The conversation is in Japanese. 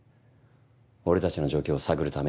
俺たちの状況を探るために？